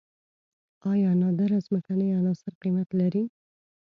آیا نادره ځمکنۍ عناصر قیمت لري؟